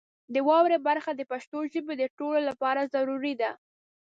د واورئ برخه د پښتو ژبې د تړلو لپاره ضروري ده.